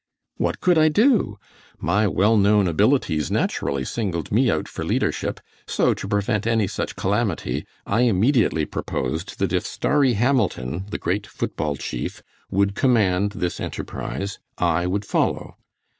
What could I do? My well known abilities naturally singled me out for leadership, so to prevent any such calamity, I immediately proposed that if Starry Hamilton, the great foot ball chief, would command this enterprise I would follow.